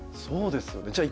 そうですよね。